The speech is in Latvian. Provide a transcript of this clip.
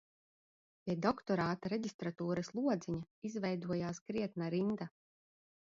Pie doktorāta reģistratūras lodziņa izveidojās krietna rinda